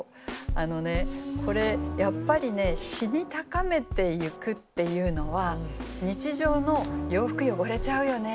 あのねこれやっぱりね詩に高めていくっていうのは日常の「洋服汚れちゃうよね」